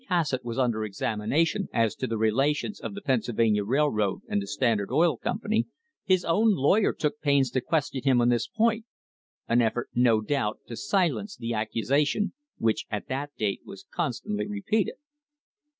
Cassatt was under examination as to the relations of the Penn sylvania Railroad and the Standard Oil Company, his own lawyer took pains to question him on this point — an effort, no doubt, to silence the accusation which at that date was constantly repeated.